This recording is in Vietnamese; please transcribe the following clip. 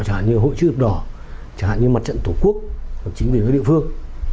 chẳng hạn như hội chức đỏ chẳng hạn như mặt trận tổ quốc chính quyền của địa phương